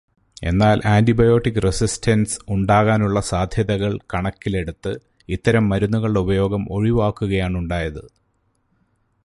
എന്നാൽ antibiotic resistance ഉണ്ടാകാനുള്ള സാധ്യതകൾ കണക്കിലെടുത്ത് ഇത്തരം മരുന്നുകളുടെ ഉപയോഗം ഒഴിവാക്കുകയാണുണ്ടായത്.